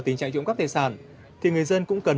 tình trạng trộm cắp tài sản thì người dân cũng cần